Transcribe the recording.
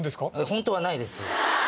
本当はないです。